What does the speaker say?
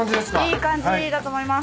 いい感じだと思います。